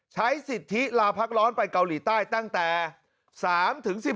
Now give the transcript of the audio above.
ใช้สิทธิลาพักร้อนไปเกาหลีใต้ตั้งแต่๓ถึง